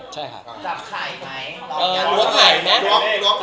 จับไข่ไหมล้มไข่